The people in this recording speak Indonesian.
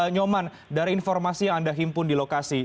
nyoman dari informasi yang anda himpun di lokasi